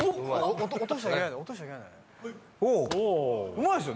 うまいですよね。